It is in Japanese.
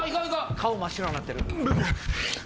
顔真っ白んなってる。